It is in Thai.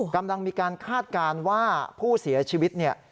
กำลังมีการคาดการณ์ว่าผู้เสียชีวิตเนี่ย